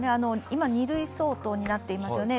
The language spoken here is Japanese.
今、２類相当になっていますよね。